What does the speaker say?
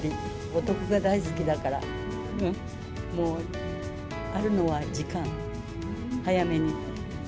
お得が大好きだから、もう、あるのは時間、早めに。